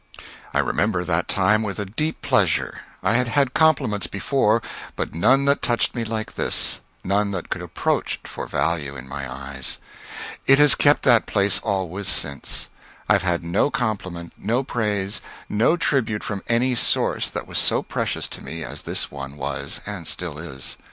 I remember that time with a deep pleasure. I had had compliments before, but none that touched me like this; none that could approach it for value in my eyes. It has kept that place always since. I have had no compliment, no praise, no tribute from any source, that was so precious to me as this one was and still is.